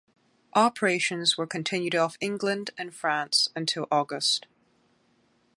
Operations were continued off England and France until August.